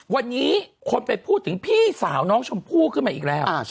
วันนี้คนไปพูดถึงพี่สาวน้องชมพู่ขึ้นมาอีกแล้ว